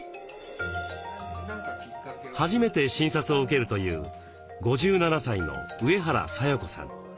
初めて診察を受けるという５７歳の上原沙夜子さん。